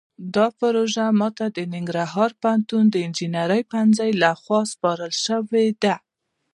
دا پروژه ماته د ننګرهار پوهنتون د انجنیرۍ پوهنځۍ لخوا سپارل شوې ده